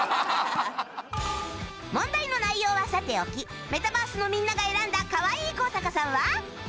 問題の内容はさておきメタバースのみんなが選んだかわいい高坂さんは？